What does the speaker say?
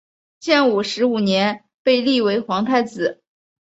建武十五年被立为皇太子。